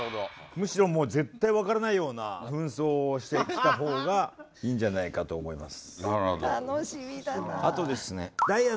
むしろもう絶対分からないような扮装をしてきた方がいいんじゃないかと思います。